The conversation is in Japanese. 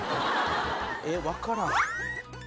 えっわからん。